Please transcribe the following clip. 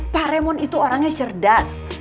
pak raymond itu orangnya cerdas